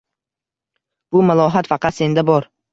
Bu malohat faqat senda bor.